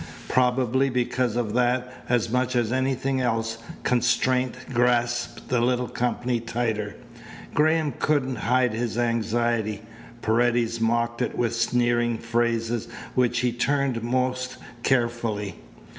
Probably because of that, as much as anything else, constraint grasped the little company tighter. Graham couldn't hide his anxiety. Paredes mocked it with sneering phrases which he turned most carefully.